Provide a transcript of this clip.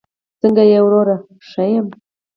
څنګه یې وروره؟ ښه یمه